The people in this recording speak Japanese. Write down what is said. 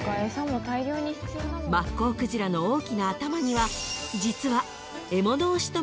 ［マッコウクジラの大きな頭には実は］